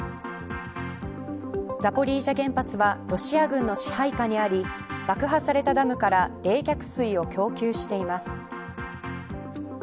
ザポリージャ原発はロシア軍の支配下にあり爆破されたダムから冷却水を供給しています。